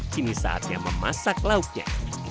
kini saatnya memasak lauknya